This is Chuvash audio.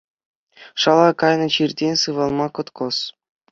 Шала кайнӑ чиртен сывалма кӑткӑс.